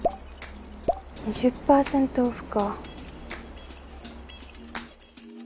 ２０％オフか。